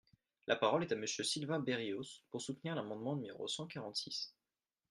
La parole est à Monsieur Sylvain Berrios, pour soutenir l’amendement numéro cent quarante-six.